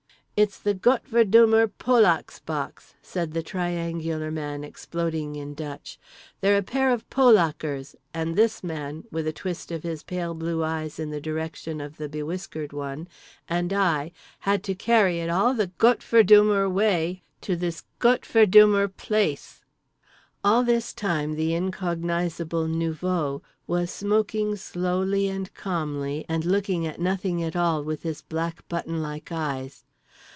"It's the Gottverdummer Polak's box," said the Triangular Man exploding in Dutch. "They're a pair of Polakers; and this man" (with a twist of his pale blue eyes in the direction of the Bewhiskered One) "and I had to carry it all the Gottverdummer way to this Gottverdummer place." All this time the incognizable nouveau was smoking slowly and calmly, and looking at nothing at all with his black buttonlike eyes.